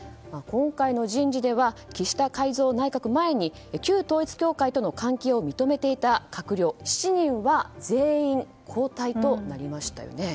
今回の人事では岸田改造内閣前に旧統一教会との関係を認めていた閣僚７人は全員交代となりましたよね。